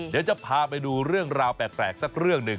เดี๋ยวจะพาไปดูเรื่องราวแปลกสักเรื่องหนึ่ง